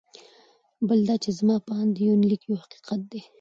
بل دا چې زما په اند یونلیک یو حقیقت دی.